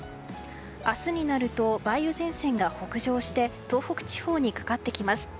明日になると梅雨前線が北上して東北地方にかかってきます。